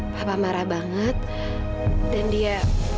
papa marah banget dan dia